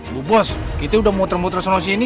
bu bos kita udah muter muter sama sini